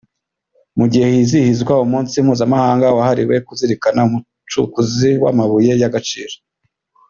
Mu gihe hizihizwa umunsi mpuzamahanga wahariwe kuzirikana umucukuzi w’amabuye y’agaciro